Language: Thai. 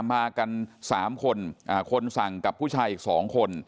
มากัน๓คนคนสั่งกับผู้ชายอีก๒คน